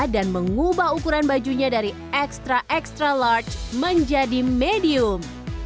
dan mengubah ukuran bajunya dari extra extra large menjadi medium